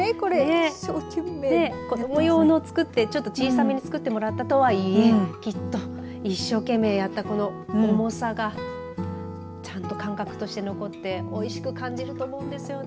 一生懸命子供用のを小さめに作ってもらったとはいえきっと一生懸命やった重さがちゃんと感覚として残っておいしく感じると思うんですよね。